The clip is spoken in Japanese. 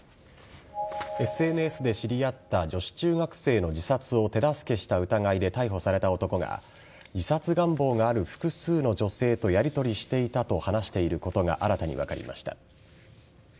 ＳＮＳで知り合った女子中学生の自殺を手助けした疑いで逮捕された男が自殺願望がある複数の女性とやりとりしていたと話していることが新たに分かりました。